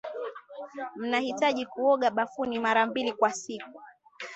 Ninahitaji kuoga bafuni mara mbili kila siku